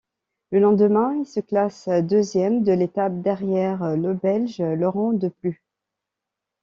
Le lendemain, il se classe deuxième de l'étape derrière le Belge Laurens De Plus.